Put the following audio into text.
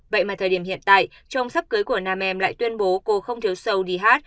vậy mà thời điểm hiện tại chồng sắp cưới của nam em lại tuyên bố cô không thiếu sâu đi hát